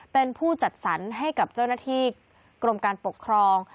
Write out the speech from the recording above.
เป็นผู้จัดสรรให้กับเจ้าหน้าที่กรมการปกครอง